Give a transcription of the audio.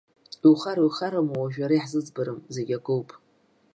Иухароу иухараму уажәы ара иаҳзыӡбарым, зегьакоуп.